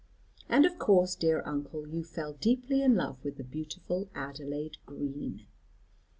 "And of course, dear uncle, you fell deeply in love with the beautiful Adelaide Green."